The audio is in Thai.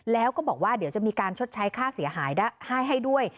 แล้วก็บอกว่าเดี๋ยวจะมีการชดใช้ค่าเสียหายให้ด้วย